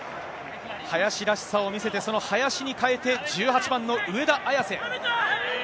林らしさを見せて、その林に代えて、１８番の上田綺世。